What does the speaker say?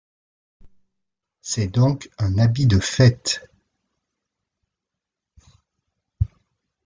C'est donc un habit de fête.